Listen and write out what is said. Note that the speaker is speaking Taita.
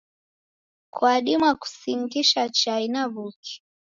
Kwadima kusingisha chai na w'uki.